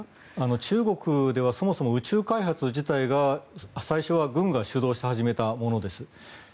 中国ではそもそも宇宙開発自体が最初は軍が主導して始めたものです。